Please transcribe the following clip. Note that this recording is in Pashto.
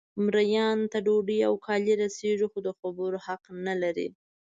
مریانو ته ډوډۍ او کالي رسیږي خو د خبرو حق نه لري.